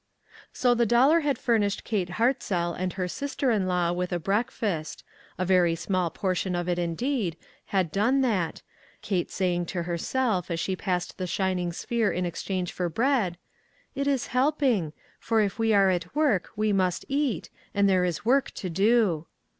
So the dollar had furnished Kate Hart zell and her sister in law with a breakfast; a very small portion of it, indeed, had done that, Kate saying to herself, as she passed the sliming sphere in exchange for bread : "It is helping ; for if we are at work we must eat, and there is work to do."